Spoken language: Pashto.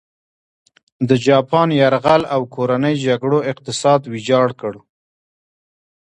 د جاپان یرغل او کورنۍ جګړو اقتصاد ویجاړ کړ.